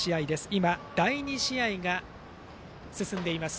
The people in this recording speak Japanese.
今、第２試合が進んでいます。